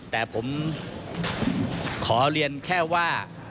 แต่ผมขอเรียนแค่ว่า